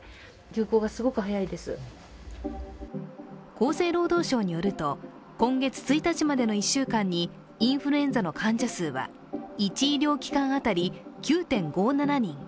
厚生労働省によると、今月１日までの１週間にインフルエンザの患者数は１医療機関当たり９．５７人。